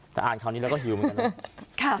จะอ่านคราวนี้แล้วก็หิวเหมือนกันเลย